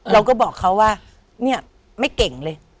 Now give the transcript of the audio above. เราก็บอกเขาว่าเนี่ยไม่เก่งเลย